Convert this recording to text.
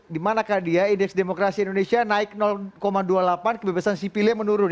dimanakah dia indeks demokrasi indonesia naik dua puluh delapan kebebasan sipilnya menurun